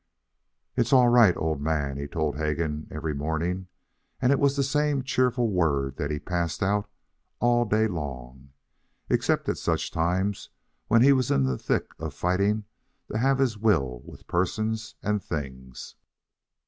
"It's all right, old man," he told Hegan every morning; and it was the same cheerful word that he passed out all day long, except at such times when he was in the thick of fighting to have his will with persons and things.